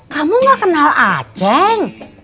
kamu enggak kenal aceng